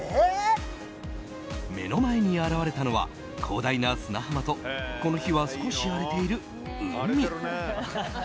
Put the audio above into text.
目の前に現れたのは広大な砂浜とこの日は少し荒れている海。